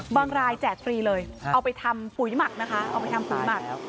รายแจกฟรีเลยเอาไปทำปุ๋ยหมักนะคะเอาไปทำปุ๋ยหมัก